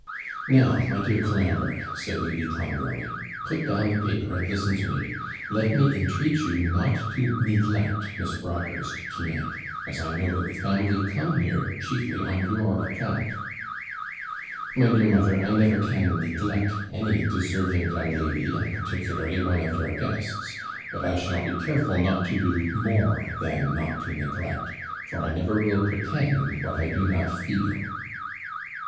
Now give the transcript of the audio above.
'Now, my dear Colambre,' said Lady Clonbrony, 'put down the paper, and listen to me. Let me entreat you not to neglect Miss Broadhurst to night, as I know that the family come here chiefly on your account.' 'My dear mother, I never can neglect any deserving young lady, and particularly one of your guests; but I shall be careful not to do more than not to neglect, for I never will pretend what I do not feel.'